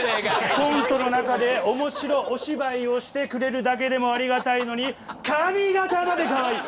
コントの中でおもしろお芝居をしてくれるだけでもありがたいのに髪形までかわいい！